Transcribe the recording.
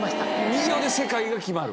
２行で世界が決まる？